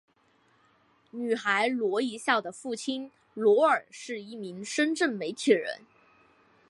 女孩罗一笑的父亲罗尔是一名深圳媒体人。